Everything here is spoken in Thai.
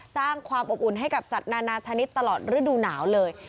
สร้างความอบอุ่นให้กับสัตว์นานาชนิดตลอดฤดูหนาวเลย